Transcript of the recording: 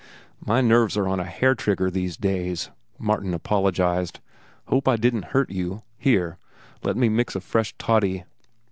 "My nerves are on a hair trigger these days," Martin apologized. "Hope I didn't hurt you. Here, let me mix a fresh toddy."